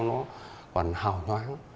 nó còn hào nhoáng